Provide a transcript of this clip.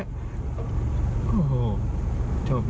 เออดี